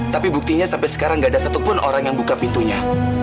tapi buktinya sampai sekarang gak ada satupun orang yang buka pintunya